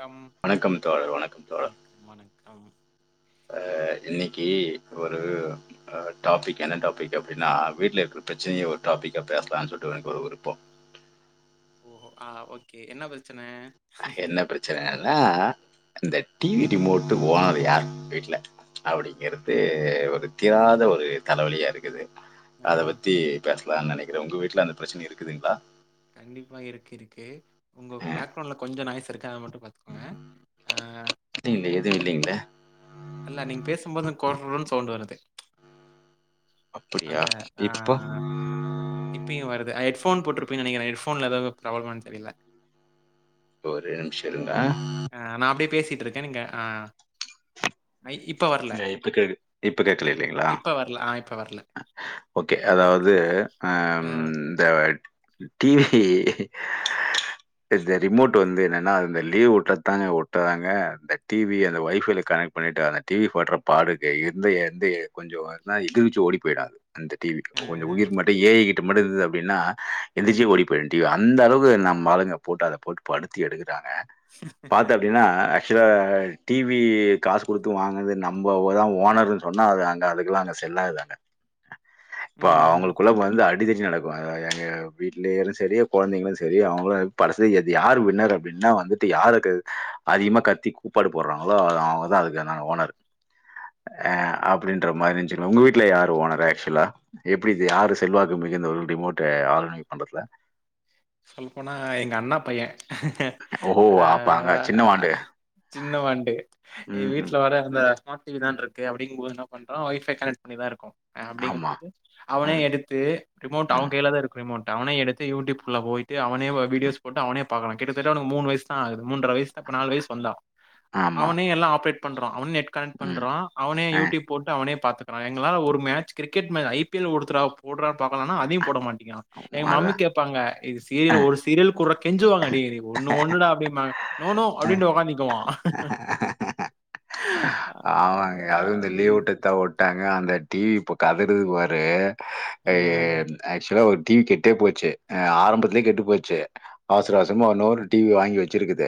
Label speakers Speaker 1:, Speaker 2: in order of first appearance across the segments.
Speaker 1: Come
Speaker 2: வணக்கம் தோழர் வணக்கம் தோழர்
Speaker 1: ஆ
Speaker 2: ஆ இன்னைக்கு ஒரு டாப்பிக் என்ன டாப்பிக் அப்டின்னா வீட்ல இருக்குற பிரச்சனயே ஒரு டாப்பிக்கா பேசலானு சொல்லிட்டு எனக்கு ஒரு விருப்போ
Speaker 1: ஓ ஆ ஓக்கே என்ன பிரச்ச
Speaker 2: என்ன பிரச்சனைன்னா இந்த டிவி ரிமோட் ஓனர் யார் வீட்ல அப்டிங்கறது ஒரு தீராத ஒரு தலவலியா இருக்குது. அத
Speaker 1: ஆஹ.
Speaker 2: பத்தி பேசலா நெனைக்கிற. உங்க வீட்ல அந்த பிரச்சன இருக்குதுங்ளா
Speaker 1: கண்டிப்பா இருக்கு இருக்கு. உங்க பேக்ரவுண்ட்ல கொஞ்சோ நாய்ஸ் இருக்கு அத மட்டு பாத்துக்கோங்க. ஆ
Speaker 2: இல்ல எது இல்லேங்ளே
Speaker 1: அல்ல நீங்க பேசும்போது கொர்ர்ன்னு சவுண்ட் வருது.
Speaker 2: அப்படியா
Speaker 1: அந்த அ
Speaker 2: இப்போ
Speaker 1: இப்பயு வருது ஹெட்ஃபோன் போட்ருப் ஹெட்ஃபோன்ல எதாது ப்ராப்ளமானு தெரீல.
Speaker 2: ஒரே நிம்ஷோ இருங்க.
Speaker 1: பேசிட்ருக்க நீங்க ஆ ஐ- இப்ப வரல.
Speaker 2: இல்ல இப்ப கே இப்ப கேக்ல
Speaker 1: இப்
Speaker 2: இல்லைங்ளா
Speaker 1: இப்ப வரல. ஆ இப்ப வரல.
Speaker 2: ஓகே
Speaker 1: ஓகே,
Speaker 2: அதாவது
Speaker 1: ஓகே.
Speaker 2: ஆ இந்த டிவி இந்த ரிமோட் வந்து என்னனா அது இந்த லீவ் வுட்டத்தாங்க வுட்டாங்க இந்த டிவி அந்த ஒய்ஃபைல கனெக்ட் பண்ணீட்டு அந்த டிவி பட்ற பாடுக்கே எந்த எந்த எ கொஞ்சோ எதுனா எந்துச்சு ஓடி போயிடு அது அந்த டி வி
Speaker 1: அ
Speaker 2: கொஞ்சோ உயிர் மட்டு ஏயி ட்டு மட்டு இருந்துது அப்படின்னா எந்திரிச்சே ஓடி போய்டு டீ வி அந்த அளவுக்கு நம்பாளுங்க போட்டு அத போட்டு படுத்தி எடுக் க்றாங்க பாத்த அப்படின்னா ஆக்சுவலா டி வி காசு குடுத் து வாங்கனது நம்ம ஒதா ஓனர்ன்னு சொன்னா அது அங்க அதுக்கெல்லா அங்க செல்லாது அங்க இப்ப
Speaker 1: ம்.
Speaker 2: அவங்களுக்குள்ள வந்து அ டிதடி நடக்கு அ எங்க வீட்லேயரு சரி கொழந்தைங்களு சரி அவங்களு படசு எது யார் வின்னர் அப்டின் னா வந்துட்டு யாருக்கு அதிகமா கத்தி கூப்பாடு போடுறாங்களோ அது அவங்கதா அதுக்கனான ஓனர் அ அப்படின்ற மாரி இருந்துச்சிங்க உங்க வீட்ல யாரு ஓனர் ஆக்சுவலா எப்டி இது யாரு செல்வாக்கு மிகுந்த [unintelligible] ரிமோட்ட ஆளுமை பண்றதுல
Speaker 1: சொல்லபோனா எங்க அண்ணா பைய
Speaker 2: ஓஹோ!
Speaker 1: ஆ
Speaker 2: அப்ப அங்க சின்னவாண்டு.
Speaker 1: சின்ன வண்டு எங்
Speaker 2: ம்ஹ்ம்.
Speaker 1: வீட்டுல வேற அந்த ஸ்மார்ட் டி வி தான்ருக்கு அப்படிங்கம்போது என்ன பண்றோ ஒய்ஃபை கனெக்ட் பண்ணிதா இருக்கு அ அப்படிங்கம்
Speaker 2: ஆமா.
Speaker 1: போது அவனே
Speaker 2: ம்,
Speaker 1: எடுத்து ரிமோட் அவன்
Speaker 2: ம்.
Speaker 1: கையிலாதா இருக்கு ரிமோட் அவனே எடுத்து யூடியூப் குள்ள போயிட்டு அவனே வ வீடியோஸ் போட்டு அவனே பாகறா கிட்டத்தட்ட அவனுக்கு மூணு வயசுதா ஆகுது மூன்டற வயசுதா இப்ப நாலு வயசு வந்தா
Speaker 2: ஆமா.
Speaker 1: அவனே எல்லா ஆப்ரேட் பண்றா அவன் நெட் கனெக்ட்
Speaker 2: ம்.
Speaker 1: பண்றா அவனே
Speaker 2: அ.
Speaker 1: யூடியூப் போட்டு அவனே பாத்துக்குற எங்களால ஒரு மேட்ச் கிரிக்கெட் மே ஐ பி எல் ஓடுதுடா போடுறா பாக்கலான்னா அதையு போட மாட் டிக்றா எங்க மம்மி
Speaker 2: அதான்.
Speaker 1: கேப்பாங்க இது சீரியல ஒரு சீரியல் கூடுற கெஞ்சுவாங்க டேய் டேய் ஒன்னு ஒன்னுடா அப்படின்பாங்க நோ நோ அப்படின்டு உக்காந்திக்குவா
Speaker 2: அ. ஆமாங்க அதுவு இந்த லீவுட்டதா வுட்டாங்க அந்த டி வி இப்ப கதறுது பாரு
Speaker 1: ம்
Speaker 2: என் ஆக்சுவலா ஒரு டி வி கெட்டே போச்சு அ ஆரம்பத்துலே கெட்டு போச்சு அவசர அவசரமா உன்னொரு டி வி வாங்கி வச்சுருக்குது.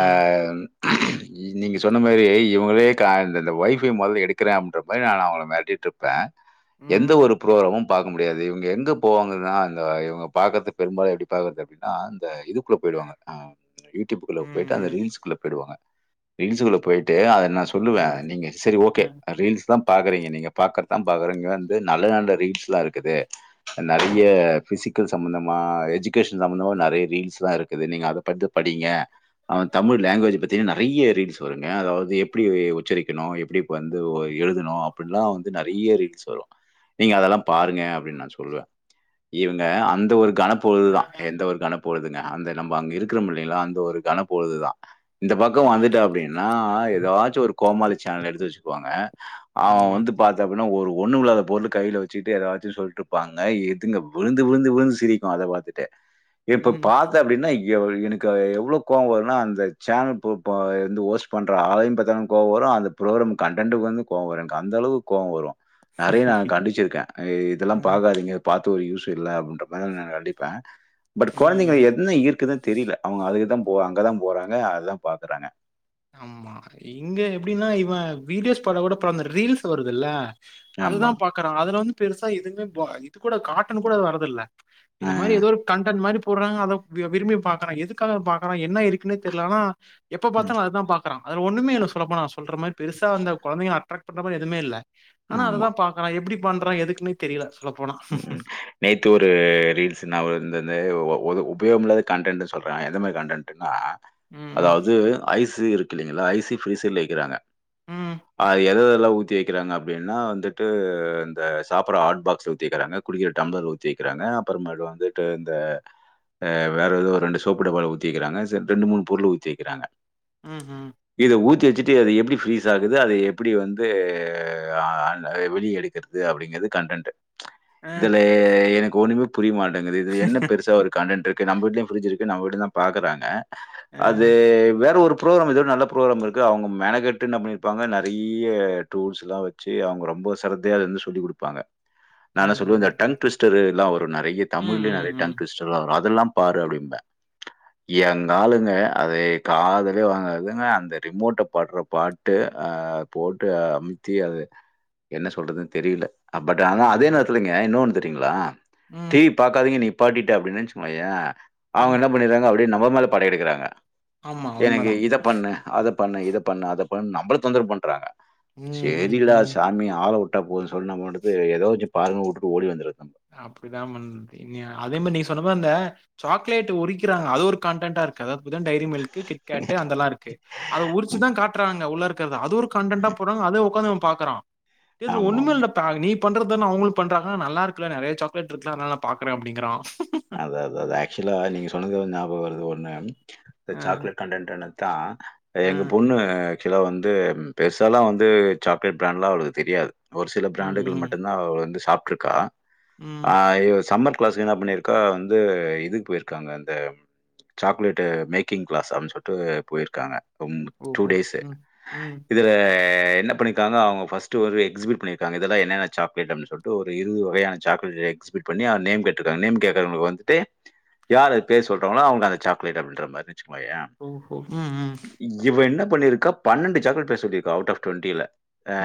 Speaker 2: அம் இ நீங்க சொன்ன மாரி இவங்களே க இந்தந்த ஒய்ஃபை மொதல்ல எடுக்கிறே அப்டின்றப்ப நா அவங்கள மெரட்டிட்டுருப்ப எந்த
Speaker 1: ம்
Speaker 2: ஒரு புரோஹ்ராமும் பாக்க முடியாது இவங்க எங்க போவாங்கன்னா அந்த இவங்க பாக்கறதுக் பெரும்பாடு ஆய்டு இப்டி பாக்கறது அப்டின்னா அந்த இதுக்குள்ள போய் போய்டுவாங்க அ யூடியூப்புக்குள்ள போய்ட்டு அந்த ரீல்ஸ்க்குள்ள போயிடுவாங்க ரீல்ஸ்க்குள்ள போயிட்டு அத நா சொல்லுவ நீங்க சரி ஓகே அ ரீல்ஸ் தா பாக்கறீங்க நீங்க பாக்கற்தா பாக்கறீங் ங்க வந்து நல்ல நல்ல ரீல்ஸ்லா இருக்குது. அ நெறைய பிசிக் க்கு சம்பந்தமா எஜுகேஷன் சம்பந்தமா நெறைய ரீல்ஸ்லா இருக்குது நீங்க அத பட்த படிங்க அவன் தமிழ் லாங்குவேஜ் பத்தின நெறைய ரீல்ஸ் வருங் ஏ அதாவது எப்டி உச்சரிக்கணு எப்டி பந்து ஒ எழுதணு அப்படின்லா வந்து நெறைய ரீல்ஸ் வரு நீங்க அதெல்லா பாருங்க அப்படின்னு நா சொல்லுவ இவங்க அந்த ஒரு கனப்பொழுதுதா எந்த ஒரு கனப் பொழுதுங்க அந்த நம்ப அங்க இருக்கிறோம் இல்லைங்களா அந்த ஒரு கனப்பொழுதுதா இந்த பக்கொ வந்துட்ட அப்டின் னா எதாச்சு ஒரு கோமாளி சேனல்ல எடுத்து வச்சுக்குவாங்க அவ வந்து பாத்த அப் டினா ஒரு ஒன்னு வில்லாத பொருள் கையில வச்சுக்ட்டு எதாச்சு சொல்ட்டுருப்பாங்க இதுங்க விழுந்து விழுந்து விழுந்து சிரிக்கு அத பாத்துட்டு இப்ப பாத்த அப்டின்னா எவு எனக்கு அது எவ்ளோ கோவோ வருனா அந்த சேனல் பொ ப வந்து ஒச் பண்ற ஆளையு பாத்தாலு கோவொ வரும் அந்த புரோக்கிராம் கண்டென்ட்க்கு வந்து கோவொ வரு என்க்கு அந்தளவுக் கோவொ வரு நெறைய நா கண்டிச்சிருக்கே இ இதெல்லாம் பாக்காதீங்க பாத் து ஒரு யூஸ் இல்ல அப்டின்ற மாதி நா கண்டிப்பே பட் கொழந்தைங்க
Speaker 1: ம்
Speaker 2: என்ன ஈர்க்குது தெரியல அவங்க அதுக்குதா போறாங் அங்கதா போறாங்க அதுதா பாக்குறாங்க.
Speaker 1: ஆமா இங்க எப்படின்னா இவன் வீடியோஸ் பாத்தா கூட பரவா இந்த ரீல்ஸ் வருதுல்ல. அதுதா
Speaker 2: ஆமா.
Speaker 1: பாக்குறான் அதுல வந்து பெருசா எதுவுமே ப இது கூட கார்ட்டுன் கூட அது வரதில்ல.
Speaker 2: அ,
Speaker 1: இந்த மாரி எதோ ஒரு கன்டன்ட் மாரி போடுறாங்க அத வி விரும்பி பாக்குறான் எதுக்காக பாக்கறான் என்ன இருக்குன்னே தெர்ல ஆனா
Speaker 2: ம்.
Speaker 1: தாலு அதா பாக்குறான் அது ஒன்னுமே இல்ல சொல்ல போனா சொல்றமாரி பெருசா அந்த கொழந்தைங்கள அட்ராக் பண்ற மாரி எதுமே இல்ல. ஆனா
Speaker 2: ஆமா.
Speaker 1: அதுதா பாக்குறான் எப்டி பண்றான் எதுக்குன்னே தெரியல. சொல்ல போனா
Speaker 2: ம் ம் நேத்து ஒரு ரீல்ஸ் நா ஒ இந்தந்த ஒ ஒது உபயோகம் இல்லாத கண்டன்ட் சொல்றாங்க எந்த மாரி கன்டென்ட்னா
Speaker 1: ம்
Speaker 2: அதாவது ஐஸ் து இருக்கு இல்லீங்களா ஐசி பிரீசர்ல வக்கிறாங்க
Speaker 1: ம்
Speaker 2: அ எத ல ஊத்தி வக்கிறாங்க அப்டின்னா வந்துட்டு இந்த சாப்ட்ற ஹட்பாக்ஸ் உக் திவக்கிறாங்க குடிக்கிற டம்ளர் ஊத்தி வக்கிறாங்க அப்புறமேலலு வந்துட்டு இந்த அஹ் வேற ஏதோ ஒரு ரெண்டு சோப்பு டப்பால ஊத்திவக்கிறாங்க செர் ரெண்டு மூணு பொருள ஊத்திவக்கிறாங்க
Speaker 1: ம் ம்
Speaker 2: இது ஊத்தி சிட்டு அது எப்டி ஃபிரீஸ் ஆகுது அது எப்டி வந்து அஹ் ஆன் வெளிய எடுக்கிறது அப்டிங்கிறது கன்டென்ட்
Speaker 1: அ
Speaker 2: இதுல எனக்கு ஒண்ணுமே புரியமாட்ட‌ங்குது இது என்ன பெருசா ஒரு கண்டடென்டு கு நம்ம வீட்லயு ஃபிரிஜ் இருக்கு நம்ம வீட்டில தா பாக்குறாங்க அது
Speaker 1: அ
Speaker 2: வேற ஒருப் ப்ரோக்ராம் எதோட நல்ல ப்ரோக்ராம் இருக்கு அவங்க மெனகெட்டு என்ன பண்ணிருப்பாங்க நெறைய டூல்ஸ் எல்லா வச்சு அவங்க ரொம் போ சேரத்தையா இருந்து சொல்லிக் குடுப்பாங்க நா என்னா
Speaker 1: ம்
Speaker 2: சொல்றது இந்த
Speaker 1: ம்
Speaker 2: டங் டுவிஸ்டர் எல்லா வரு நெறைய
Speaker 1: ம்
Speaker 2: தமிழ்லயே நெறைய டங்
Speaker 1: ம் ம்
Speaker 2: டுவிஸ்டர்லா வரு அதெல்லா பாரு அப்டிம்பே எங்க ஆளுங்க அத காதலயே வாங்காதுங்க அந்த ரிமோட்ட படுற பாட்டு அஹ் போட்டு அமுத்தி அத என்ன சொல்றதுனு தெரியல பட் ஆனா அதே
Speaker 1: ஆமாமா
Speaker 2: நேரத்துலங்க இன்னோன்னு தெரியுங்களா
Speaker 1: ம்
Speaker 2: டிவி பாக்காதீங்க நிப் பாட்டிட்டு அப்டின்னு வச்கோயே அவங்க
Speaker 1: ம்
Speaker 2: என்ன பண்ணிர்றாங்க அப்டியே நம்ம மேல படை எடுக்குறாங்க
Speaker 1: ஆமா
Speaker 2: எனக்கு
Speaker 1: உண்மதா
Speaker 2: இத பண்ணு அத பண்ணு இத பண்ணு அத பண்ணு நம்மள தொந்தரவு பண்றாங்க
Speaker 1: ம் ம்
Speaker 2: சேரிடா
Speaker 1: ம்
Speaker 2: சாமி ஆள விட்டா போதுன்னு சொல்லி நம்ம பாட்டுக்கு ஏதோ வச்சு பாருங்க விட்டுட்டு ஓடி வந்திருவே
Speaker 1: அப்டிதா பண்றீங்க அதே மாதிரி நீங்க சொன்ன மாரி இந்த சாக்லேட் உரிக்கிறாங்க அது ஒரு கண்டென்டா இருக்கு அதாவத் இதுதா டைரி மில்க் கிட்கேட்டு் அந்தெல்லா இருக்கு அத உரிச்சுதா காட்றாங் உள்ள இருக்கிறது அது ஒரு கண்டென்ட்டா போடுறாங்க அத உக்காந்து இவ பாக்குறா ஏ இதல
Speaker 2: ஆமாமா.
Speaker 1: ஒண்ணுமேல்லடா நீப் பண்றதான அவங்களு பண்றாங்க நல்லா இருக்குல நெறைய சாக்லேட் இருக்குல அதனால நா பாக்குறே அப்டிங்கறா
Speaker 2: அதான் அதான் அது ஆக்சுவலா நீங்க சொன்னது வந்து வருது ஒண்ணு இந்த
Speaker 1: அ
Speaker 2: சாக்லேட் கன்டென்ட் என்னத்தான்
Speaker 1: அ
Speaker 2: எங்க பொண்ணு ஆக்சுவலா வந்து பெருசாலா வந்து சாக்லேட் பிராண்ட்லா அவளுக்கு தெரியாது ஒரு சில
Speaker 1: ம்
Speaker 2: பிராண்டுகள்
Speaker 1: ம்
Speaker 2: மட்டுந்தா அவ வந்து சாப்ட்ருக்கா
Speaker 1: ம்
Speaker 2: ஆஹ் இல் சம்மத் கிளாஸ் என்ன பண்ணிர் அக்கா வந்து இதுக்கு போயிருக்காங்க அந்த சாக்லேட்ட மேக்கிங் கிளாஸ் அப்டின்னு சொல்லிட்டு போயிருக்காங்க ம் டூ
Speaker 1: ஓஹோ
Speaker 2: டேஸ்
Speaker 1: ம் ம்
Speaker 2: இதுல என்ன பண்ணிக்காங்க அவுங்க பஸ்ட் ஒரு எக்ஸிபிட் பண்ணிருக்காங்க இதல்லா என்னென்ன சாக்லேட் அப்டின்னு சொல்லிட்டு ஒரு இருவது வகையான சாக்லேட் எக்ஸிபிட் பண்ணி அவ நேம் கேட்டுருக்காங்க நேம் கே இவங்களுக்கு வந்துட்டு யார் அது பேர் சொல்றாங்களோ அவுங்கு அந்த சாக்லேட் அப்டின்ற மாதிரி வச்சுக்கோயே
Speaker 1: ஓஹோ ம் ம்
Speaker 2: இவ்என்னப் பண்ணிருக்கா பன்னெண்டு சாக்லேட் பேர் சொல்லியிருக்கா அவுட் ஆப் டுவெண்டில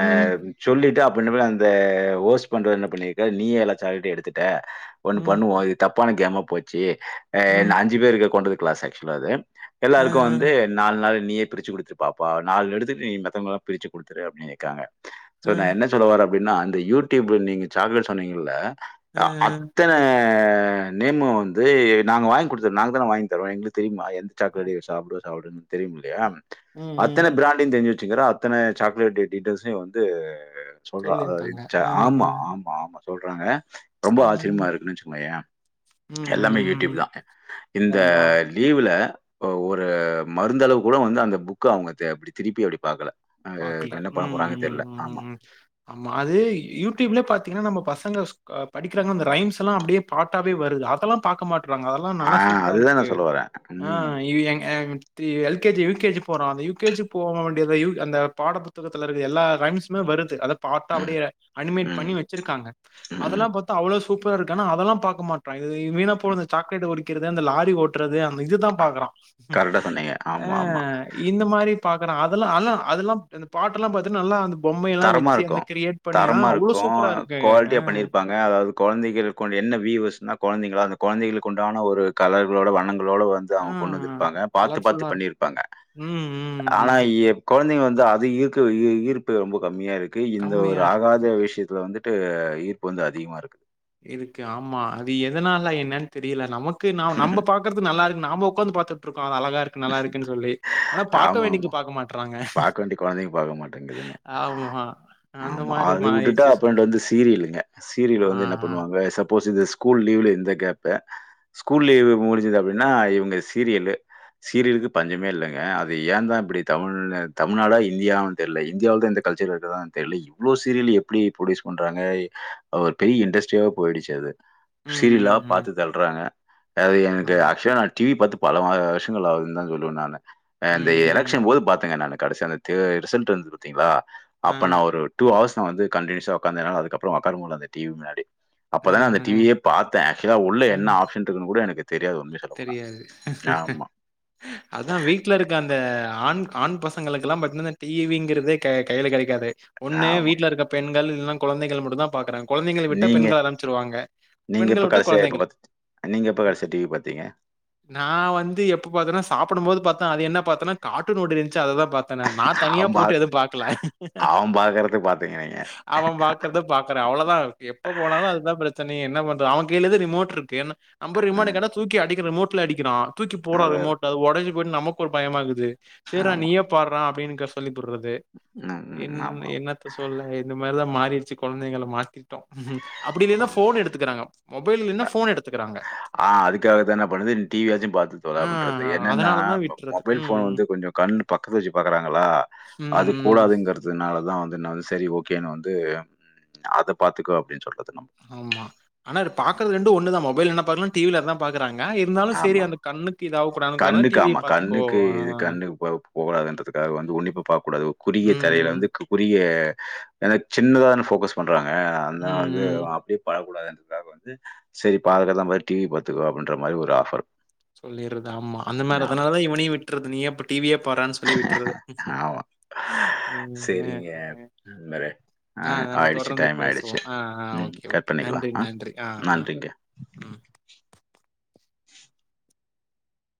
Speaker 1: ம்
Speaker 2: சொல்லிட்டு அப் பன்ன மாரி அந்த ஹோஸ் பண்றவர் என்ன பண்ணிர்கார் நீயே எல்லா சாக்லேட்டு எடுத்துட்ட ஒண்ணு
Speaker 1: ம்
Speaker 2: பண்ணுவோ இது தப்பான கேமா போச்சு அ
Speaker 1: ம்
Speaker 2: அஞ்சு பேரு கொண்டது கிளாஸ் அக்சுவலா அது
Speaker 1: அ
Speaker 2: எல்லாருக்கு வந்து நாலு நாள் நீயே பிரிச்சு குடுத்துரு பாப்பா நாலு எடுத்து நீ மத்தல்லாம் பிரிச்சு குடுத்துரு அப்டின்னுருக்காங்க சோ
Speaker 1: அ
Speaker 2: நா என்ன சொல்லுவர அப்டினா அந்த யூடியூப்ல நீங்க சாக்லேட் சொன்னீங்கல்ல
Speaker 1: அ அ
Speaker 2: அத்தன அஹ் நேமு வந்து நாங்க வாங்கி குடுத்த நாங்க தான‌ வாங்கி தரோ எங்களுக்கு தெரியுமா எந்த சாக்லே சாப்டுவ சாப்டுவன்னு தெ தெரியு இல்லையா
Speaker 1: ம் ம்
Speaker 2: அத்தன பிராண்டயு தெரிஞ்சு வச்சுக்குறா அத்தன சாக்லேட் டீட்டெய்ல்சையு வந்து அ சொல்றா அத
Speaker 1: சொல்லிருக்காங்க
Speaker 2: ச
Speaker 1: அ அ
Speaker 2: ஆமா ஆமா ஆமா சொல்றாங்க ரொம்ப
Speaker 1: ம்
Speaker 2: ஆச்சரியமா இருக்குன்னு வச்சுக்கோயே
Speaker 1: ம்
Speaker 2: எல்லாமே
Speaker 1: ம்
Speaker 2: யூடியூப்
Speaker 1: ம்
Speaker 2: தா
Speaker 1: அதா
Speaker 2: இந்த
Speaker 1: அதா
Speaker 2: லீவு ல ஒரு மருந்தளவு கூட வந்து அந்த புக் அவங்க த அப்டி திருப்பி அப்டி பாக்கல
Speaker 1: பாக்ல ம் ம் ம் ம் ஆமா அது யூடியூப்லயே பாத்தீங்னா நம்ம பசங்க ஸ்க் படிக்கிறாங்க அந்த ரைம்ஸ் எல்லா அப்டியே பாட்டாவே வருது அதெல்லா பாக்க மாட் ட்றாங்க அதெல்லா
Speaker 2: ஆ
Speaker 1: நல்லா சூப்பரா
Speaker 2: அதுதான்
Speaker 1: இருக்கு
Speaker 2: நான் சொல்ல வரேன். ம்,
Speaker 1: ஆஹ் எ எங் அஹ் three L K G U K G போற அந்த யூ கே ஜி போக வேண்டியத யூ அந்த பாட புத்தகத்தில இருக்க எல்லா ரைம்ஸுமே வருது அத பார்த்த
Speaker 2: ம்,
Speaker 1: அப்படியே அனிமேட் பண்ணி
Speaker 2: ம்,
Speaker 1: வச்சிருக்காங்க
Speaker 2: ம்.
Speaker 1: அதெல்லாம் பார்த்த அவ்ளோ சூப் சூப்பர இருக்கு ஆனா அதெல்லாம் பாக்க மாட்றா இது வீணா போனது இந்த சாக்லேட் ஒடிக்கிறது அந்த லாரி ஓட்றது அந்த இது தா பாக்றா
Speaker 2: கரெக்டா சொன்னீங்க. ஆமா, ஆமா.
Speaker 1: ஆஹ் இந்த மாரி பாக்றா அதெல்லா அல் அதெல்லாம் அந்த பாட்டெல்லா பாத்தனா நல்லா பொம்மையெல்லாம்
Speaker 2: தரமா
Speaker 1: வச்சு
Speaker 2: இருக்கு
Speaker 1: அந்த கிரியேட் பண்ணி ஆ
Speaker 2: தரமா
Speaker 1: அவ்ளோ
Speaker 2: இருக்கு
Speaker 1: சூப்பரா இருக்கு.
Speaker 2: குவாலிட்டியா பண்ணிருப்பாங்க அதாவது கொழந்தைகள் கொண்டே என்ன விவஸ்ன கொழந்தைங்கள அந்த கொழந்தைகளுக்கு உண்டான ஒரு கலர்களோட வண்ணங் களோடு வந்து
Speaker 1: ஆ
Speaker 2: அவங்க கொண்டு வந்திருப்பாங்க பாத்து பாத்து
Speaker 1: கலர்ஃபுல்லா இருக்கும்.
Speaker 2: பண்ணிருப்பாங்க
Speaker 1: ம், ம்,
Speaker 2: ஆனா
Speaker 1: ம்.
Speaker 2: இப் கொழந்தைங்க வந்து அது ஈர்க்க ஈர்ப்பு ரொம்ப கம்மியா இருக்கு இந்த ஒரு
Speaker 1: கம்மியா இருக்கு.
Speaker 2: ஆகாத விஷயத்த வந்து இட்டு ஈர்ப்பு வந்து அதிகமா இருக்கு
Speaker 1: இருக்கு ஆமா அது எதனால என்னன்னு தெரியல நமக்கு ந நம்ம பாக்குறது நல்லா இருக் நாம உட்காந்து பாத்துட்டு இருக் அழகா இருக்கு நல்லா இருக்குன்னு சொல்லி ஆனா பாக்க வேண்டிங்க பாக்க மாட்றாங்க
Speaker 2: பார்க்க வேண்டிய குழந்தைங்க பார்க்க மாட்டேங்குதுங்க.
Speaker 1: ஆமா. அந்த
Speaker 2: ஆமா
Speaker 1: மாரி
Speaker 2: அது விட்டுட்டா
Speaker 1: மாறிடுச்சு. சோ
Speaker 2: அப்றோ வந்துட்டு சீரியலுங்க
Speaker 1: ஆ,
Speaker 2: சீரியல்ல வந்து என்ன
Speaker 1: ஆ.
Speaker 2: பண்ணுவாங்க சப்போஸ் ஸ்கூல் லீவ்ல எந்த கேப்ப ஸ்கூல் லீவ் முடிஞ்சது அப்டின்னா இவங்க சீரியல்லு சீரியலுக்கு பஞ்சமே இல்லங்க அது ஏந்தா இப்டி தமிழ் தமிழ்நாடா இந்தியாவானு தெர்ல இந்தியாவில தா இந்த கல்ச்சர் [unintelligible] தெர்ல இவ்ளோ சீரியல் எப்டி ப்ரொடியூஸ் பண்றாங்க ஒரு பெரிய இண்டஸ்ட்ரியா போயிடுச்சு
Speaker 1: ம்,
Speaker 2: சீரியலா
Speaker 1: ம், ம்.
Speaker 2: பாத்து தள்றாங்கா அது எனக்கு
Speaker 1: ஆமா.
Speaker 2: ஆக்சுலா நா டிவி பார்த்து பல மா வர்ஷ் ங்களா ஆவுந்தா சொல்வ நானு அ
Speaker 1: ம்,
Speaker 2: அந்த
Speaker 1: ம்.
Speaker 2: எலக்க்ஷன் போது பாத்தேங்க நானு கடைசியா அந்த தேர் ரிசல்ட் இருந்து பாத்தீங்களா
Speaker 1: ஆ,
Speaker 2: அப்ப நா ஒரு டூ அவர்ஸ் நா வந்து கண்டினியூஸா உக்காந்தேனால அதுக்கப்றோ உக்கார முடிய அந்த டிவி முன்னாடி
Speaker 1: ஆ,
Speaker 2: அப்பதா அந்த
Speaker 1: ஆ.
Speaker 2: டிவியே பாத்தே ஆக்சுவலா உள்ள என்ன
Speaker 1: ம்.
Speaker 2: ஆப்ஷன் இருக்குன்னு கூட எனக்கு தெரியாது உண்மைய சொல்ல போனா
Speaker 1: அதா வீட்ல இருக்க அந்த ஆண் ஆண் பசங்களுக்கெலாம் பாத்தீங்ன இந்த டிவிங்கிறதே க கையில கெடைக்காது ஒண்ணு
Speaker 2: ஆமா.
Speaker 1: வீட்ல இருக்க பெண்கள் இல்லன கொழந்தைகள் மட்டு தா பாக்றாங்க கொழந்தைகள விட்டப்
Speaker 2: நீங்க
Speaker 1: பெண்கள் ஆரம்பிச்சிருவாங்க
Speaker 2: நீங்க
Speaker 1: பெண்கள
Speaker 2: இப்ப
Speaker 1: விட்ட
Speaker 2: கடைசியா எப்ப
Speaker 1: கொழந்தைகள் [inaudible]
Speaker 2: பார்த்து நீங்க எப்ப கடைசியா டிவி பார்த்தீங்க?
Speaker 1: நா வந்து எப்ப பாத்தேன சாப்புடும் போது பாத்தே அது என்ன பாத்தேன்னா காட்டூன் ஓடுதேன் ச்சு அததா பாத்தனே நா தனியா
Speaker 2: அவன் பா
Speaker 1: போட்டு எதுவும் பாக்கல
Speaker 2: அவன் பார்க்கறத பார்த்தீங்க நீங்க.
Speaker 1: அவ பாக்குறத பாக்குறே அவ்ளோதா எப் எப்ப போனாலு அதுதா பிரச்சனையே என்ன பண்ற அவ கைல ரிமோட்ருக்கு என்ன நம்ப
Speaker 2: அ
Speaker 1: ரிமோட்டு கேட்டா தூக்கி அடிக்கிற ரிமோட் வுத்துல அடிக்கிறா தூக்கி போற
Speaker 2: அதேதான்.
Speaker 1: ரிமோட்ட அது ஒடஞ்சு போயிடு நமக்கு ஒரு பயமாருக்குது சரிடா
Speaker 2: ஆமா.
Speaker 1: நீயே பார்ரா அப்டிங்ற சொல்லி புட்றது
Speaker 2: ம், ம். ஆமா,
Speaker 1: என்னன்ன என்னத்த சொல்ல இந்த மாரிதா மாறிடுச்சு கொழந்தைங்கள மாத்திட்டோ அப்டி
Speaker 2: ஆமா.
Speaker 1: இல்லைனா போன் எடுத்துக்கிறாங்க மொபைல் இல்லைனா போன் எடுத்துக்கிறாங்க
Speaker 2: ஆஹ் அதுக்காகத்தா என்ன பண்றது டிவியாச்சு பாத்து தொல
Speaker 1: ஆ
Speaker 2: அப்டின்றது என்னன்னா
Speaker 1: அதனால தான் விட்டுறது.
Speaker 2: மொபைல்
Speaker 1: ம்,
Speaker 2: போன்
Speaker 1: ம்.
Speaker 2: வந்து கொஞ்சோ கண்பக்கத்துல வச்சு பாக்குறாங்களா அது
Speaker 1: ம், ம்.
Speaker 2: கூடாதுங்கிறதுனால தா வந்து நா வந்து சரி ஓகேன்னு வந்து அத பாத்துக்கோ அப்டின்னு சொல்றது நம்ம.
Speaker 1: ஆமா ஆனா அது பாக்குறது ரெண்டு ஒன்ன தா மொபைல் என்ன பாக்கல டிவி அதா பாக்றாங்க நா இருந்தாலு சேரி
Speaker 2: ஆமா.
Speaker 1: அந்த கண்ணுக்கு ஏதாவ்
Speaker 2: கண்ணுக்கு ஆமா கண்ணுக்கு இது கண்ணு போகதுன்றதுக்காக வந்து உன்னிப்பு பாக்கூடாது குறிகிய இதுல
Speaker 1: ம்.
Speaker 2: வந்து குறுகிய ஏன சின்னத போக்கஸ் பண்றாங்க
Speaker 1: ம்.
Speaker 2: அதுதா வந்து
Speaker 1: ம்.
Speaker 2: அப்படியே பல கூடாத என்றதுக்காக வந்து செரி பாக்குறது தா பாக்குற டிவி பாத்துக்க அப்டின்ற மாரி ஒரு ஆஃபர்
Speaker 1: சொல்லிறது ஆமா அந்த மாரி அதனாலதா இவனையு விட்றது நீ அப்ப டிவியே பார்ரா சொல்லி விட்டுறது
Speaker 2: செரிங்க நண்பரே ஆ
Speaker 1: ஆஹ் நம்
Speaker 2: ஆயிடுச்சு
Speaker 1: தொடர்ந்து
Speaker 2: டைம்
Speaker 1: பேசுவோ
Speaker 2: ஆயிடுச்சு.
Speaker 1: ஆஹ் ஆஹ்
Speaker 2: ம்.
Speaker 1: ஓகே
Speaker 2: கட்
Speaker 1: ஓகே
Speaker 2: பண்ணிக்கலாம்.
Speaker 1: நன்றி
Speaker 2: ஆ
Speaker 1: நன்றி ஆஹ் ஆஹ்
Speaker 2: நன்றிங்க.
Speaker 1: ம்